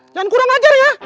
jangan kurang ajar ya